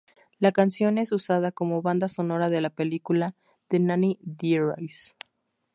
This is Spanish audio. La canción es usada como banda sonora de la película "The Nanny Diaries".